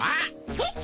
えっ？